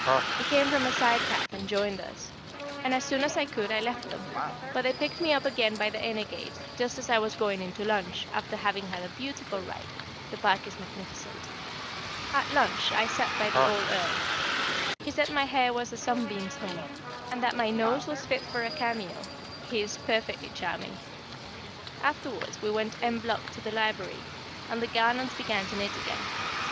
He came from a side path and joined us, and as soon as I could I left them; but they picked me up again by the inner gate, just as I was going in to lunch, after having had a beautiful ride. The Park is magnificent. [Sidenote: Putting on the Clock] At lunch I sat by the old Earl. He said my hair was a sunbeam's home, and that my nose was fit for a cameo; he is perfectly charming. Afterwards we went en bloc to the library, and the Garnons began to knit again.